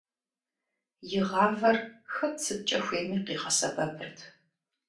И гъавэр хэт сыткӏэ хуейми къигъэсэбэпырт.